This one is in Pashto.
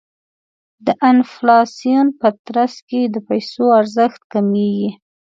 د انفلاسیون په ترڅ کې د پیسو ارزښت کمیږي.